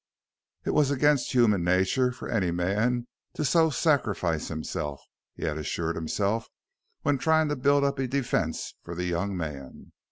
It was against human nature for any man to so sacrifice himself, he had assured himself when trying to build up a defense for the young man.